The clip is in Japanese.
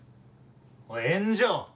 おい炎上！